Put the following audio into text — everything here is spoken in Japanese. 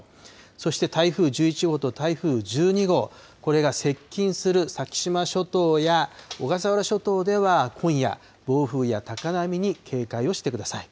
そして台風１１号と台風１２号、これが接近する先島諸島や小笠原諸島では今夜、暴風や高波に警戒をしてください。